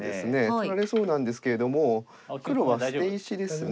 取られそうなんですけれども黒は捨て石ですね。